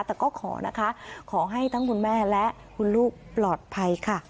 แต่ก็ขอนะคะขอให้ทั้งคุณแม่และคุณลูกปลอดภัยค่ะ